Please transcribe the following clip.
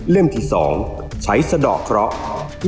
ที่๒ใช้สะดอกเคราะห์